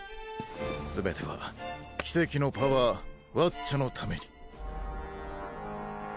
すべては奇跡のパワーワッチャのために。